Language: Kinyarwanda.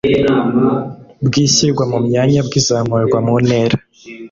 Bw Ishyirwa Mu Myanya Bw Izamurwa Mu Ntera